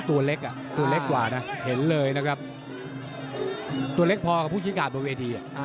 ตัวเล็กกว่านะเห็นเลยนะครับตัวเล็กพอกับผู้ชิ้นการบนเวที